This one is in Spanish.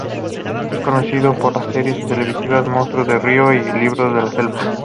Es conocido por las series televisivas "Monstruos de río" y "Libros de la selva".